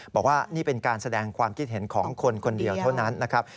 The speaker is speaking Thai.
บอกว่านี่เป็นการแสดงความคิดเห็นของคนคนเดียวเท่านั้นนะครับ